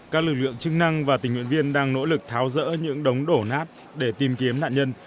các lực lượng chức năng và tình nguyện viên đang nỗ lực tháo rỡ những đống đổ nát để tìm kiếm nạn nhân